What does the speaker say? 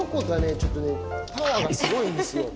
ちょっとねパワーがすごいんですよ。